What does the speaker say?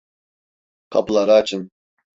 Kapıları açın!